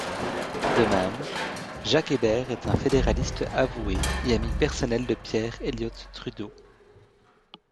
De même, Jacques Hébert est un fédéraliste avoué et ami personnel de Pierre-Eliott-Trudeau.